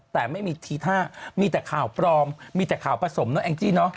แต่ไม่มีทีท่ามีแต่ข่าวทรมานมีแต่ข่าวประสมนะเองจี้